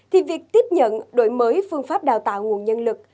thì việc tiếp nhận đổi mới phương pháp đào tạo nguồn nhân lực